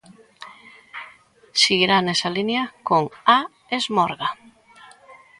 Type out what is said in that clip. Seguirá nesa liña con "A Esmorga"?